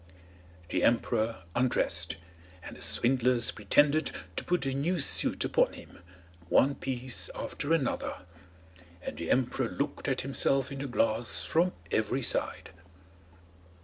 The emperor undressed, and the swindlers pretended to put the new suit upon him, one piece after another; and the emperor looked at himself in the glass from every side.